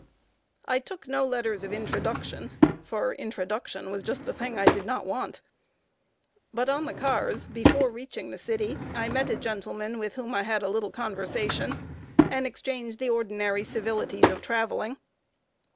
I took no letters of introduction, for introduction was just the thing I did not want. But on the cars, before reaching the city, I met a gentleman with whom I had a little conversation, and exchanged the ordinary civilities of traveling.